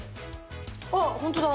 あっホントだ。